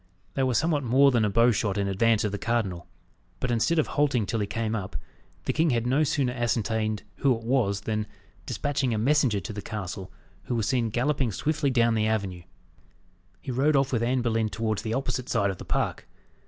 They were somewhat more than a bow shot in advance of the cardinal; but instead of halting till he came up, the king had no sooner ascertained who it was, than, despatching a messenger to the castle, who was seen galloping swiftly down the avenue, he rode off with Anne Boleyn towards the opposite side of the park.